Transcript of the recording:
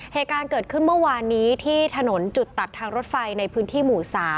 เหตุการณ์เกิดขึ้นเมื่อวานนี้ที่ถนนจุดตัดทางรถไฟในพื้นที่หมู่๓